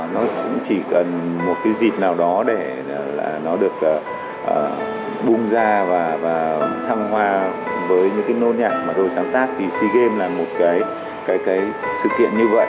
nó cũng chỉ cần một cái dịp nào đó để là nó được bung ra và thăng hoa với những cái nôn nhạc mà tôi sáng tác thì sea games là một cái sự kiện như vậy